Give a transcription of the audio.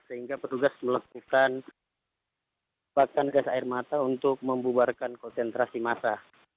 sehingga petugas melakukan bakan gas air mata untuk membubarkan konsentrasi massa